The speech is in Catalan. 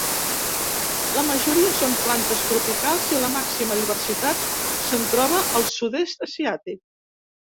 La majoria són plantes tropicals, i la màxima diversitat se'n troba al sud-est asiàtic.